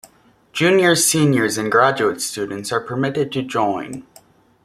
Juniors, seniors, and graduate students are permitted to join.